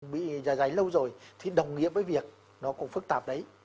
bị dài dài lâu rồi thì đồng nghĩa với việc nó cũng phức tạp đấy